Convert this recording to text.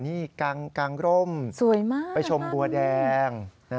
นี่กางร่มไปชมบัวแดง